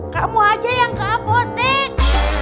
kamu aja yang ke apotek